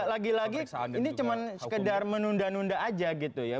lagi lagi ini cuma sekedar menunda nunda aja gitu ya